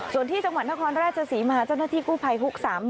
ส่วนที่จังหวัดนครราชศรีมาเจ้าหน้าที่กู้ภัยฮุก๓๑